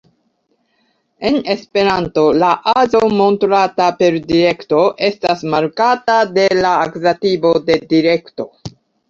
En esperanto, la aĵo montrata per direkto estas markata de la akuzativo de direkto.